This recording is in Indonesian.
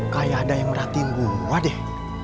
kayak ada yang merhatiin gue deh